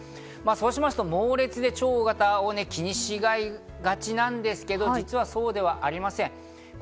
そうしますと猛烈で超大型を気にしがちなんですけれども、実はそうではありません。